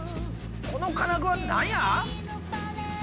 この金具は何や？